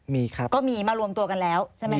มีครับก็มีมารวมตัวกันแล้วใช่ไหมค